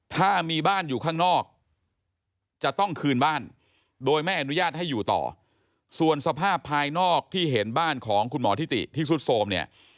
ถ้ามีบ้านอยู่ข้างนอกจะต้องคืนบ้านโดยไม่อนุญาตให้อยู่ต่อส่วนสภาพภายนอกที่เห็นบ้านของคุณหมอทิติที่สุดโสมเนี่ย